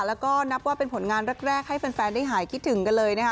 แล้วก็นับว่าเป็นผลงานแรกให้แฟนได้หายคิดถึงกันเลยนะคะ